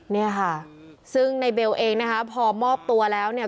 เนี่ยค่ะซึ่งในเบลเองนะคะพอมอบตัวแล้วเนี่ย